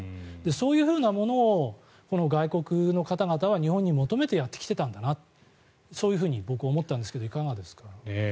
そういうものを外国の方々は日本に求めてやってきてたんだなとそういうふうに僕は思ったんですがいかがですか？